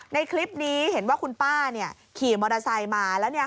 ในคลิปนี้เห็นว่าคุณป้าขี่มอเตอร์ไซค์มาแล้ว